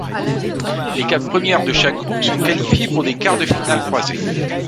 Les quatre premières de chaque groupe sont qualifiées pour des quarts de finale croisés.